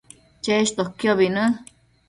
cheshtoquiobi në